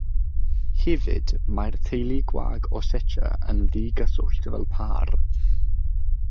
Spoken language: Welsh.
Hefyd mae'r teulu gwag o setiau yn ddigyswllt fel pâr.